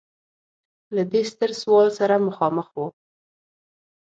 له دې ستر سوال سره مخامخ و.